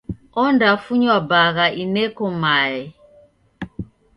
Ondafunywa bagha ineko mae.